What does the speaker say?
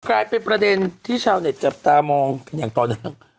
กลายเป็นประเด็นที่ชาวเน็ตจับตามองกันอย่างต่อเนื่อง